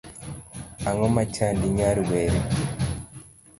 Ang'o machandi nyar were?